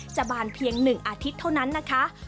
บานเพียง๑อาทิตย์เท่านั้นนะคะ